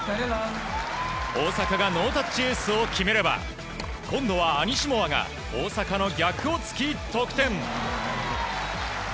大坂がノータッチエースを決めれば今度はアニシモワが大坂の逆を突き、得点。